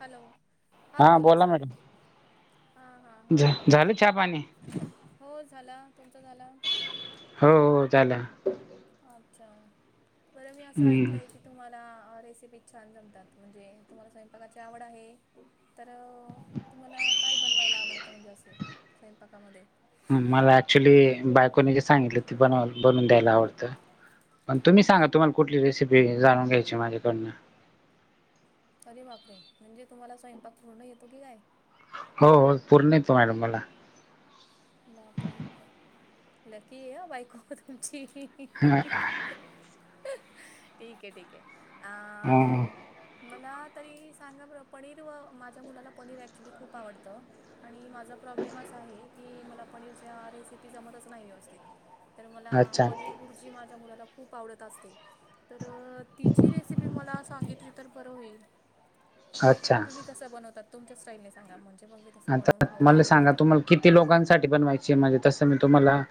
Hello. हा हां बोला सर. मॅडम हा हा हा झा झालं चहा पाणी हो झाला तुमचा झाला हो हो ला अच्छा बरं मी असं ऐकलंय हम्म की तुम्हाला रेसिपी छान जमतात म्हणजे तुम्हाला स्वयंपाकाची आवड आहे तर तुम्हाला काय बनवायला आवडतं म्हणजे असं स्वयंपाकामध्ये ह मला ऍक्च्युली बायकोने जे सांगितलं ते बनव बनवून द्यायला आवडतं प तुम्ही सांगा तुम्हाला कुठली रेसिपी जाणून घयची माझ्याकडं अरे बापरे म्हणजे तुम्हाला स्वयंपाक पूर्ण येतो की काय हो हो पूर्ण येतो मॅडम मला बापरी लकी आहे बाईक तुमची ठीक आहे ठीक आहे हं आ मला तरी सांगा बरं पनीर व माझ्या मुलाला पनीर ॲक्च्युली खूप आवडतं आणि माझं प्रॉब्लेम असा आहे की मला पनीरच्या रेसिपी जमतच नाही व्यव असते तर मला अच्छा पनीर गुरुजी माझ्या मुलाला खूप आवडत असते तर तिची रेसिपी मला सांगितली तर बरं होईल अच्छा तुम्ही कसं बनवतात तुमच्या स्टाईलने सांगा म्हणजे मग मी तसं बनवून आता खाऊ मला घालते सांगा करत आला तुम्हाला किती लोकांसाठी पण व्हायची म्हणजे तसं मी तुम्हाला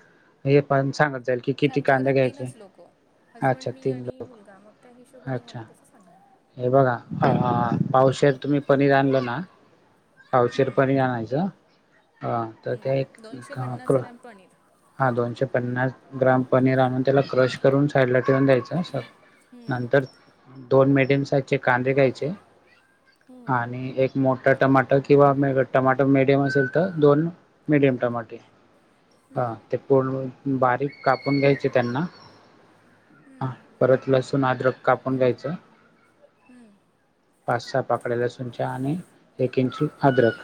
हे पण सांगत जाईल की किती आमच्या कांदे घरात घ्यायचे तीनच लोक अच्छा हसबंड मी तीन आणि लोक मुलगा मग त्या हिशोबाने अच्छा मला तसं सांगाल हे बघा पावशर तुम्ही पनीर आणल ना पावशर प हम्म आणणायचं तर त्या एक हम्म दोनशे पन्नास क्ल ग्रॅम पनीर हा दोनशे पन्नास ग्राम पनीर आणून त्याला क्रश करून साईडला ठेवून द्यायचं सर हम्म नंतर दोन मीडियम साईजचे कांदरे घायचे हम्म आणि एक मोठा टमाट किंवा म टमाटो मीडियम असेल तर दोन मीडियम टमाट हा हम्म ते पूर्ण बारीक कापून घ्यायचे त्यांना हा हम्म परत लसूण अद्रक कापून घ्यायचं हमम पाच सहा पाकडेला सुंचा आणि एक इंची अदरक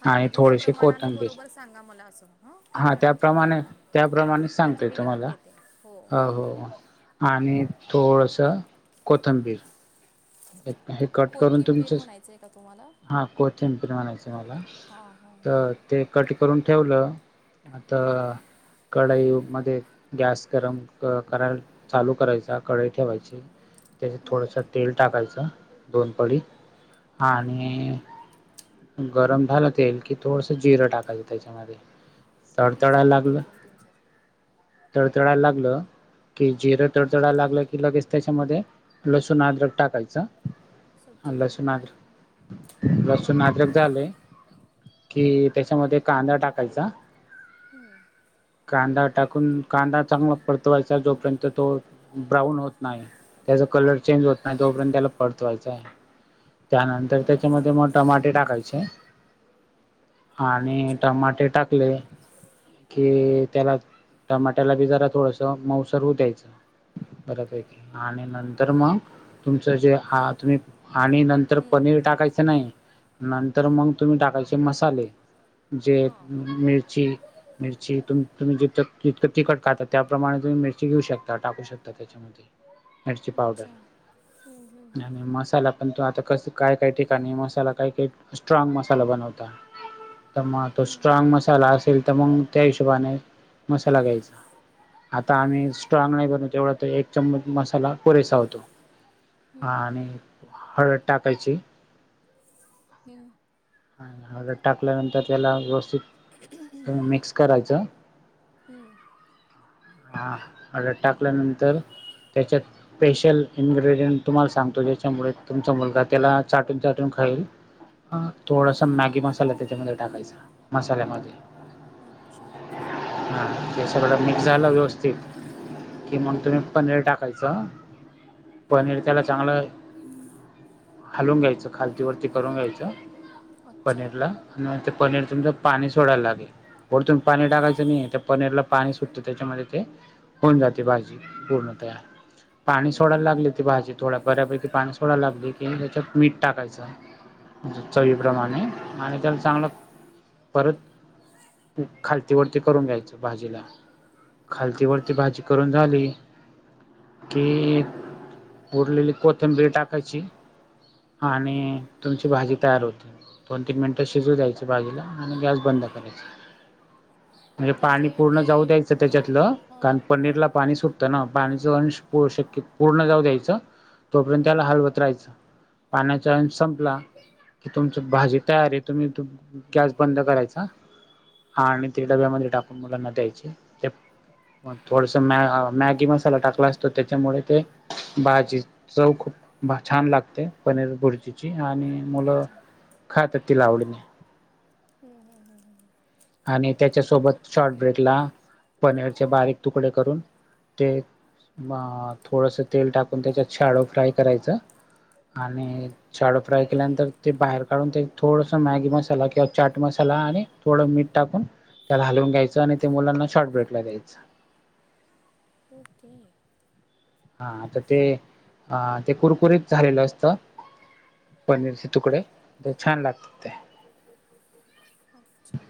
हां म्हणजे त्या प्रमाणाने बरोबर सांगा मला असं - हो तीन हा जणांच्या त्याप्रमाणे त्याप्रमाणे प्रमाणात म्हणजे सांगतोय मी लिहून तुम्हाला घेते हो- हो आणि थोडसं कोथंबीर - हे कट करून कोथिंबीर तुमचं - म्हणायचंय का तुम्हाला हां कोथिंबीर म्हणायचं मला हा हा तर - ते कट करून ठेवलं आता हम्म - कढाईमध्येध्ये गॅस गरम क कराल - चालू करायचा कढई ठेवायची - त्याच्यात थोडस हम्म तेल टाकायचं दोन पळी हम्म आणि - गरम झालं तेल कि थोडसं जिरं टाकायचं त्याच्यामध्ये - किती आहे सब्जेक्ट एक दोन तीन चार - तडतळायला लागलं. कि जिरं तडतळाला लागलं की लगेच त्याच्यामध्ये लसूण अद्रक टाकायचं. सब्जेक्टने नाव ली - लसून नाद्रक झाले हम्म कि त्याच्यामध्ये कांदा टाकायचा हम्म कांदा टाकून कांदा चांगला परतवायचा जोपर्यंत तो ब्राऊन होत नाही त्याचा कलर चेंज होत नाही तोपर्यंत त्याला परतवायच आहे त्यानंतर हम्म त्याच्यामध्ये मग टमाटे टाकायचे आणि अच्छा टमाटे टाकले. कि त्याला टमाट्याला बी जरा थोडस मऊसर होऊ द्यायचं - बऱ्यापैकी आणि नंतर मग - तुमचं जे तुम्ही आणि नंतर हम्म पनीर टाकायचं नाही. नंतर मग तुम्ही टाकायचे मसाले जे हा मिरची - मिरची तु तुम्ही जितं जितकं तिखट खाता त्यापमाणे तुम्ही मिर्ची घेऊ शकता टाकू शकता! त्याच्यामध्ये मिरची पावडर अच्छा - हम्म हम्म आणि मसाला पण तो आता कस काय काय ठिकाणी मसाला काय काय स्ट्रॉंग मसाला बनवता! तर मग तो हम्म स्ट्रॉंग मसाला असेल तर मग त्या हिशोबाने मसाला घ्यायचा - आता आम्ही स्ट्रॉंग नाही करू तेवढा तर एक चमच मसाला पुरेसा होतो. हम्म हा हम्म आणि हळद टाकायची! हम्म! टाकल्यानंतर त्याला व्यवस्थित - ते मिक्स करायचं हम्म, - हां ऑर्डर टाकल्यानंतर त्याच्यात स्पेशल इन्ग्रेडियंट - तुम्हाला सांगतो ज्याच्यामुळे तुमचा मुलगा त्याला चाटून चाटून खाईल! ह हम्म, थोडासा मॅगी मसाला त्याच्यामध्ये टाकायचा मसाल्यामध्ये - [unintelligible] हा ते सगळं मिक्स झालं व्यवस्थित कि हम्म, मग तुम्ही पनीर टाक - टाकायचं पनीर - त्याला चांगलं हलवून घ्यायचं खालतीवरती करून घ्यायचं - अच्छा पनीरला आणि ते पनीर तुमचं पाणी सोडायला लागेल. वरतून पाणी टाकायचं नाही त्या पनीरला पाणी सुटतं त्याच्यामध्ये ते - होऊन जाते भाजी पूर्णतयार पाणी सोडायला बरं लागली ती भाजी - थोडा बऱ्यापैकी पाणी सोडा लागले की त्याच्यात मीठ टाकायचं - हम्म, चवीप्रमाणे आणि त्याला चांगलं परत - खालती वरती करून घ्यायचं भाजीला - खालती वती हम्म. भाजी करून झाली की - उरलेली कोथिंबीरी टाकायची आणि तुमची भाजी तयार होते. दोन तीन मिनिटं शिजू द्यायचे बाजीला आणि गॅस बंद करायचा - म्हणजे पाणी पूर्ण जाऊ द्यायचं त्याच्यातलं हां कारण पनीरला पाणी सुट - हो ना पाणीच अंश शक्य पूर्ण जाऊ द्यायचं - तोपर्यंत त्याला हम्म, हालवत राहायचं पाण्याचा संपला. कि तुमच भाजी तयार आहे तुम्ही गॅस बंद करायचा - हा आणि ते डब्यामध्ये टाकून मुलांना द्यायचे - मग थोडस म मॅगी मसाला टाकला असतो त्याच्यामुळे ते, भाजीऽ चव खूप छान लागते, पनीर भुर्चीची, आणि मुलं. अच्छा खा तर ती ला आवडत नाही. हम्, हम्, हम्, ह् ह आणि त्याच्यासोबत शॉर्ट ब्रेकला,, पनीरचे बारीक तुकडे करून ते अ थोडस तेल टाकून त्याच्यात छाडो फ्राय करायच, आणि छाडो फ्राय केल्यानंतर, ते बाहेर काढून ते थोडस मॅगी मसाला, किंवा चाट मसाला आणि थोडं मीठऽ टाकून त्याला हालवून घ्यायचं, आणि ते मुलांना शॉर्ट ब्रेकला द्यायचं. ओके, आता ते, अ, ते कुरकुरीत झालेलं असतं. पनीरचे तुकडे तर छान लागतात ते - अच्छा,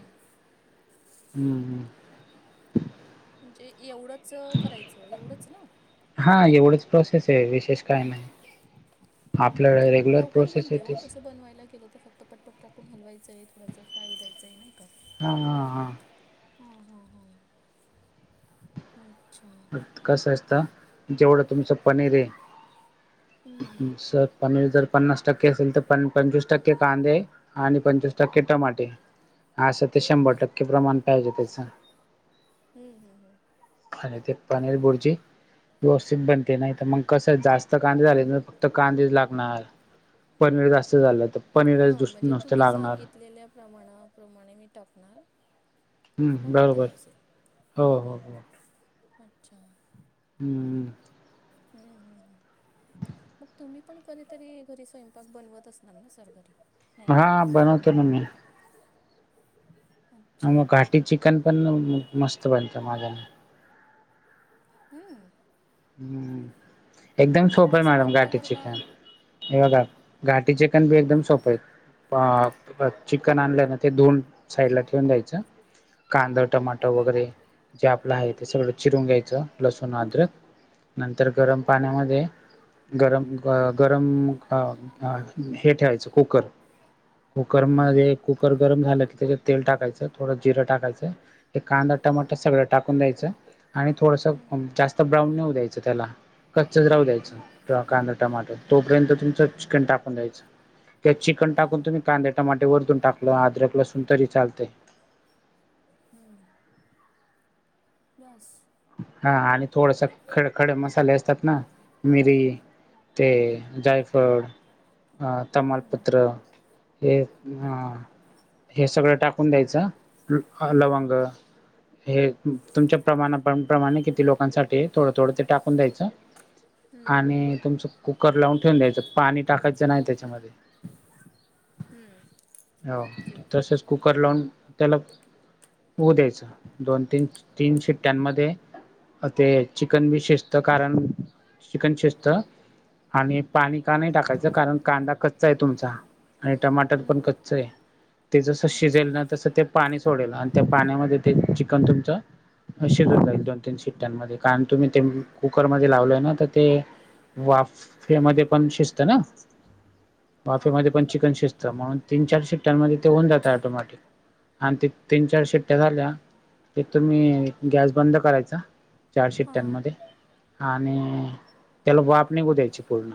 हम्म, हम्म, म्हणजे एवढंच करायचं, एवढंच ना. हा, एवढंच प्रोसेस आहे, विशेष काय नाही. हमम आपल्या म्हणजे खूप रेग्युलर लवकर प्रोसेस आहे बनते ओ, तेच तस बनवायला गेलं तर फक्त पट पट टाकून हलवायचेय,, थोडां फ्राय होऊन द्यायचेय नाही का? हां, हां, हां. हो हो हो. अच्छा कसं असत,, जेवढं तुमचं पनीर ये. हम्म, जर पनीर जर पन्नास टक्के असेल, तर पंच पंचवीस टक्के कांदे आणि पंचवीस टक्के टमाटे, असं ते शंभर टक्के प्रमाण पाहिजे त्याच. हम्म, हम हम. खायते पनीर बुर्जी. व्यवस्थित बनते,, नाही तर मग कसं जास्त कांदे झाले, तर फक्त कांदेच लागणार. पनीर जास्त झालं तर पनीरच हा, दुस म्हणजे नुसतं तुम्ही लागणार सांगितलेल्या प्रमाणाप्रमाणे मी टाकणार. हो हम्म होते बरोबर असे,, हम्म, हो हो हम्, हो हम् अच्छा. हम्म. हम्म, हम हम. मग तुम्ही पण कधीतरी घरी स्वयंपाक बनवत असणार ना, सर घरी नाही का हां, बनवतो ना मी. अच्छा मग घाटी चिकन पण मस्त बनतं माझ्या हाआआ. हम्म एकदम ते सोपय कसं मॅडम बनतं घाटी बरं का चिकन. हे बघा घाटीचेिकन बी एकदम सोपये. अ चिकन आणलं ना ते धुउन साईड ला ठेवून द्यायचं. कांद, टमाट वगैरे जे आपलं आहे ते सगळं, चिरून घ्यायचं लसूण, अद्रक नंतर गरम पाण्यामध्ये गरम अ गरम हे ठेवायचं कुकर. हम्म कुकरमध्ये, कुकर गरम झालं की त्याच्यात तेल टाकायचं, थोडं जिरं टाकायचं. ते कांदा, टमाट सगळं टाकून द्यायचं,, आणि हम्म थोडसं जास्त ब्राऊन नाही होऊन द्यायचं त्याला. कच्चच राहू हम्म द्यायचं कांदा, टमाटर तोपर्यंत, तुमचं चिकन टाकून द्यायचं. त्यात चिकन टाकून हम्म तुम्ही कांदे, टमाटे वरतून टाकलं अद्रक लसून तरी चालतय. हमम. बास हा आणि थोडस खडखड मसाले असतात ना मिरी ते जायफळ ह हम्म तमालपुत्र हे ह. हे सगळं टाकून द्यायचं हम्म लवंग हे तुमच्या प्रमाणात प्रमाणे किती लोकांसाठी थोडं थोडं ते टाकून द्यायचं. हम्म आणि तुमचं कुकर लावून ठेवून द्यायचं पाणी टाकायचं नाही त्याच्यामध्ये हम्म. हो ओके तसेच कुकर लावून त्याला होऊ द्यायच दोन तीन तीन शिट्ट्यांमध्ये अ ते चिकन भी शिजत कारण चिकन शिजत आणि पाणी का नाही टाकायचं कारण कांदा कच्चा आहे तुमचा आणि टमाटर पण हम्म कच् च्च ये. ते जसं अच्छा शिजेल ना तसं ते पाणी सोडेल आणि त्या पाण्यामध्ये ते चिकन तुमचं अशे शिजून जाईल ते दोन तीन शिट्ट्यांमध्ये, कारण तुम्ही ते कुकरमध्ये लावलय ना, तर ते वाफेमध्ये पण शिजत ना, हां वाफेमध्ये पण चिकन शिजत, म्हणून तीन चार शिट्ट्यांमध्ये ते होऊन जाते ऑटोमॅटिक, आणि ते तीन चार शिट्ट्या झाल्या ते तुम्ही गॅस बंद करायचा,, चार हां शिट्ट्यांमध्ये. आणि त्याला वाफ निघू द्यायची पूर्ण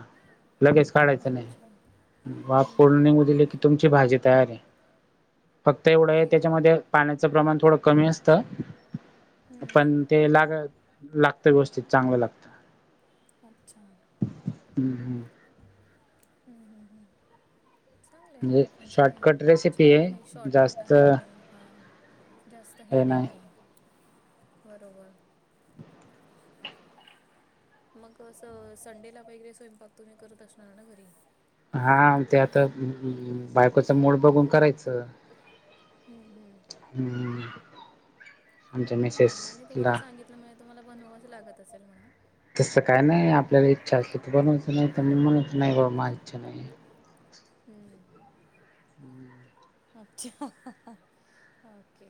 लगेच काढायचं नाही. अच्छा बा हम्म पूर्ण हम्म निम हम्म दिली की तुमची भाजी तयार आहे फक्त एवढं आहे अरे वा त्याच्यामध्ये पाण्याचं प्रमाण थोडं कमी असतं. हम्म पण ते लाग लागतं व्यवस्थित चांगलं लागत. अच्छा हम्म हम्म हम् हम् हम् मग म्हणजे शॉर्टकट रेसिपी छान आहे शॉर्टकट जास्त आहे आणि हा जास्त हे नाहीये बरोबर. मग अस संडेला वैगैरे स्वयंपाक तुम्ही करत असणार ना घरी हा ते आता बायकोचं मोड बघून करायच. हम्म हम्म. आमचे मेसेजला त्यामुळे तुम्हाला बनवावं लागत असेल म्हणून तसं काय नाही आपल्याला इच्छा असते त बनवायचं नाही तर मी म्हनाच नाही बा माझ इच्छा नाही. हम् [inaudible] अच्छा. हा हा हा ओके